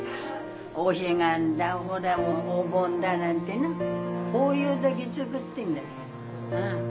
お彼岸だほらお盆だなんてなそういう時作ってんだ。